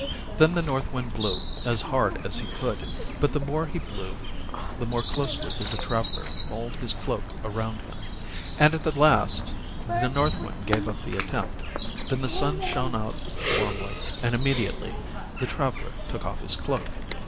Then the North Wind blew as hard as he could, but the more he blew the more closely did the traveler fold his cloak around him; and at last the North Wind gave up the attempt. Then the Sun shined out warmly, and immediately the traveler took off his cloak.